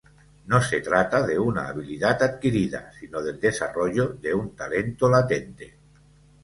No se trata de una habilidad adquirida, sino del desarrollo de un talento latente.